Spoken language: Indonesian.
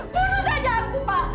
bunuh saja aku pak